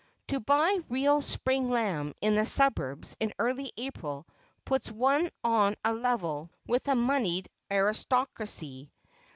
To buy real spring lamb in the suburbs in early April puts one on a level with a moneyed aristocracy.